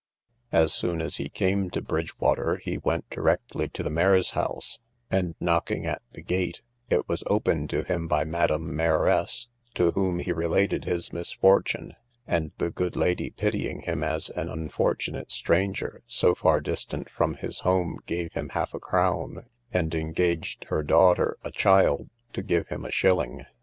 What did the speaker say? As soon as he came to Bridgewater, he went directly to the mayor's house, and knocking at the gate, it was opened to him by madam mayoress, to whom he related his misfortune; and the good lady, pitying him as an unfortunate stranger, so far distant from his home, gave him half a crown, and engaged her daughter, a child, to give him a shilling.